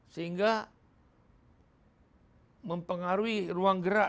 sehingga mempengaruhi ruang gerak